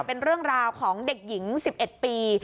เป็นเรื่องราวของเด็กหญิง๑๑ปี